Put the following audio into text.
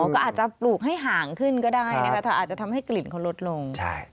ก็อาจจะปลูกให้ห่างขึ้นก็ได้นะคะถ้าอาจจะทำให้กลิ่นเขาลดลง